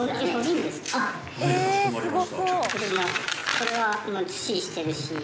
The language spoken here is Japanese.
これはずっしりしているし。